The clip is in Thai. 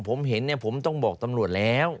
ผมเห็นเนี่ยผมต้องบอกตำรวจแล้ว